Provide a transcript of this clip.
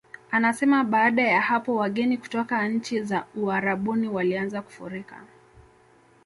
Anasema baada ya hapo wageni kutoka nchi za Uarabuni walianza kufurika